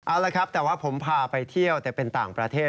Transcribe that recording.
เอาละครับแต่ว่าผมพาไปเที่ยวแต่เป็นต่างประเทศ